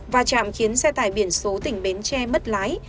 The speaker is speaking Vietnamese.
và chạm khiến xe tải biển số tỉnh bến tre mất lái